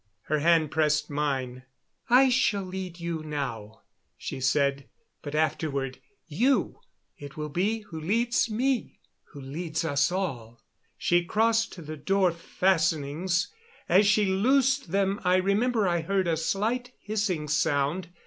Her hand pressed mine. "I shall lead you now," she said. "But afterward you it will be who leads me who leads us all." She crossed to the door fastenings. As she loosed them I remember I heard a slight hissing sound.